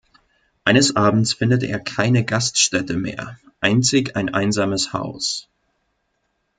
Eines Abends findet er keine Gaststätte mehr, einzig ein einsames Haus.